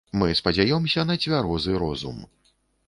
Мы спадзяёмся на цвярозы розум.